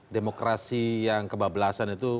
demokrasi yang kebablasan itu